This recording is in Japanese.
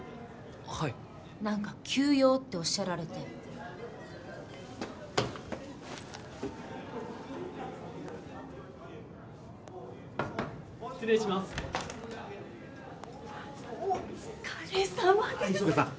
はい何か「急用」っておっしゃられて・失礼しますお疲れさまです磯部さん